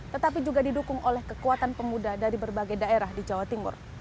tetapi juga didukung oleh kekuatan pemuda dari berbagai daerah di jawa timur